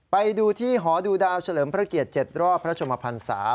ไปดูที่หอดูดาวเฉลิมพระเกียรติ๗รอบพระชมพันศา